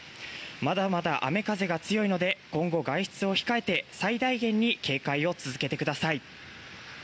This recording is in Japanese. まだまだ雨、風が強いので今後、外出を控えて最大限に警戒を続けてください。